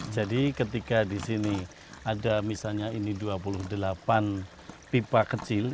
jadi ketika di sini ada misalnya ini dua puluh delapan pipa kecil